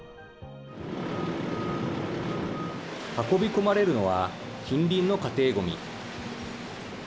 運び込まれるのは、近隣の家庭ごみ。